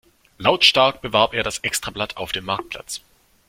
Lautstark bewarb er das Extrablatt auf dem Marktplatz.